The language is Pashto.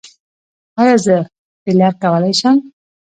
ایا زه فیلر کولی شم؟